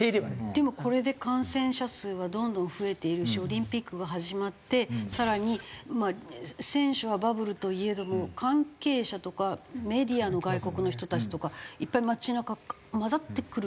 でもこれで感染者数はどんどん増えているしオリンピックが始まって更にまあ選手はバブルといえども関係者とかメディアの外国の人たちとかいっぱい街なか交ざってくるんですよね。